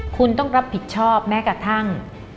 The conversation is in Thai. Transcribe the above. คุณต้องรับผิดชอบแม้กระทั่ง